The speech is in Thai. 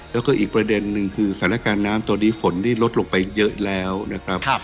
แล้วก็อีกประเด็นนึงคือสถานการณ์น้ำตอนนี้ฝนนี่ลดลงไปเยอะแล้วนะครับ